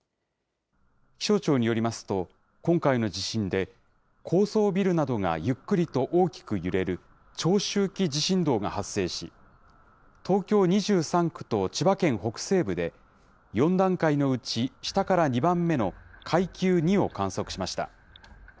気象庁によりますと、今回の地震で、高層ビルなどがゆっくりと大きく揺れる長周期地震動が発生し、東京２３区と千葉県北西部で、４段階のうち下から２番目の階級２を観測しました。